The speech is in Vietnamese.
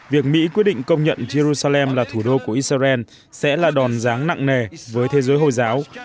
việc mỹ quyết định công nhận jerusalem là thủ đô của israel sẽ là đòn ráng nặng nề với thế giới hồi giáo